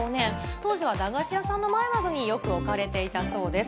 当時は駄菓子屋さんの前などによく置かれていたそうです。